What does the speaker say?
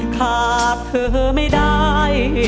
หากเธอไม่ได้